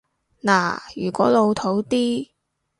嗱，如果老套啲